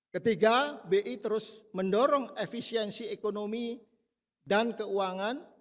ketiga bi terus mendorong efisiensi ekonomi dan keuangan